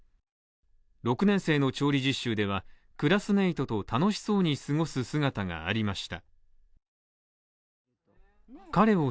６年生の調理実習では、クラスメートと楽しそうに過ごす姿がありました。